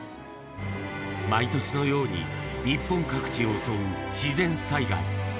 毎年のように日本各地を襲う自然災害。